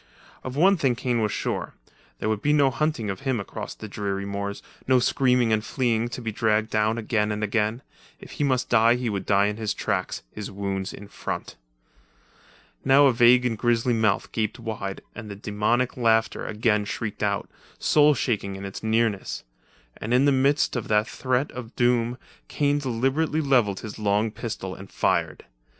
Of one thing Kane was sure; there would be no hunting of him across the dreary moors, no screaming and fleeing to be dragged down again and again. If he must die he would die in his tracks, his wounds in front. Now a vague and grisly mouth gaped wide and the demoniac laughter again shrieked but, soul shaking in its nearness. And in the midst of feat threat of doom, Kane deliberately levelled his long pistol and fired.